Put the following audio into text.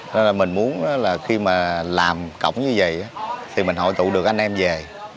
nên là mình muốn là khi mà làm cổng như vậy thì mình hội tụ được anh em về